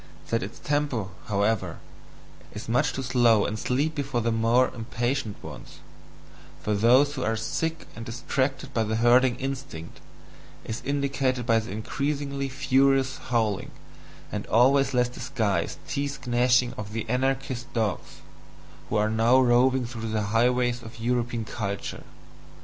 That its TEMPO, however, is much too slow and sleepy for the more impatient ones, for those who are sick and distracted by the herding instinct, is indicated by the increasingly furious howling, and always less disguised teeth gnashing of the anarchist dogs, who are now roving through the highways of European culture.